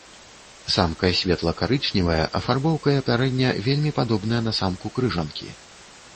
Самка светла-карычневая, афарбоўкай апярэння вельмі падобная на самку крыжанкі.